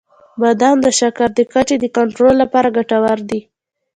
• بادام د شکر د کچې د کنټرول لپاره ګټور دي.